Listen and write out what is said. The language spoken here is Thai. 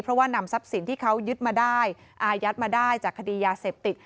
เพราะว่านำทรัพย์สินที่เขายึดมาได้อายัดมาได้จากคดียาเสพติด